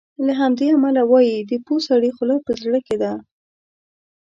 له همدې امله وایي د پوه سړي خوله په زړه کې ده.